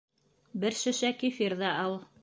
Бер шешә кефир ҙа ал!